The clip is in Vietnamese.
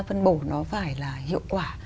phân bổ nó phải là hiệu quả